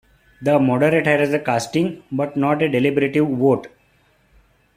The moderator has a casting, but not a deliberative vote.